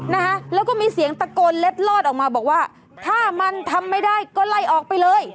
นะคะแล้วก็มีเสียงตะโกนเล็ดลอดออกมาบอกว่าถ้ามันทำไม่ได้ก็ไล่ออกไปเลย